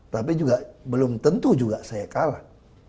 tapi belum tentu saya kalah